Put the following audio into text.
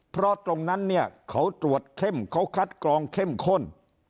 เพราะตรงนั้นเนี่ยเขาตรวจเข้มเขาคัดกรองเข้มข้น